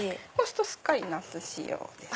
すっかり夏仕様ですね。